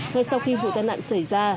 ngay sau khi vụ tai nạn xảy ra